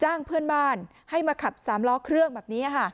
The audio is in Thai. จ้างเพื่อนบ้านให้มาขับ๓ล้อเครื่องแบบนี้